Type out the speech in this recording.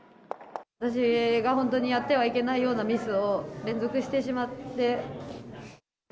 私が本当にやってはいけないようなミスを連続してしまって。